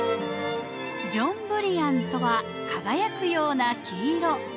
‘ジョンブリアン’とは「輝くような黄色」という意味。